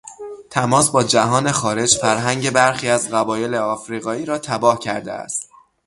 تماس با جهان خارج، فرهنگ برخی از قبایل افریقایی را تباه کرده است.